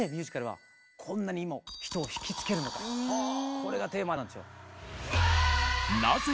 これがテーマなんですよ。